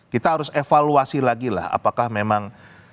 kita harus evaluasi lagi lah apakah memang